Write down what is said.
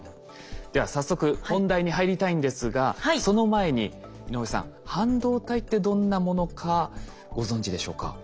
では早速本題に入りたいんですがその前に井上さん半導体ってどんなものかご存じでしょうか？